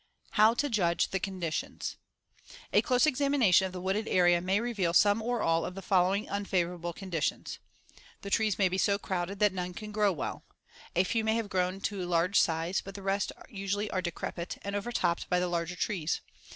How to judge the conditions: A close examination of the wooded area may reveal some or all of the following unfavorable conditions: The trees may be so crowded that none can grow well. A few may have grown to large size but the rest usually are decrepit, and overtopped by the larger trees.